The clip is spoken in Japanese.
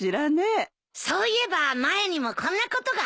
そういえば前にもこんなことがあったよね。